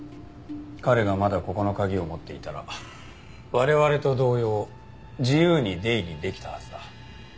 彼がまだここの鍵を持っていたら我々と同様自由に出入りできたはずだ。